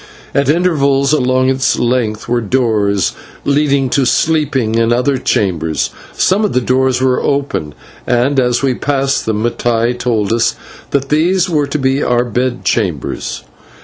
At intervals along its length were doors leading to sleeping and other chambers. Some of the doors were open, and as we passed them Mattai told us that these were to be our bed chambers.